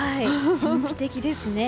神秘的ですね。